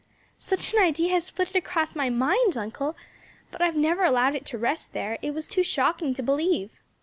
"Such an idea has flitted across my mind, uncle, but I have never allowed it to rest there; it was too shocking to believe."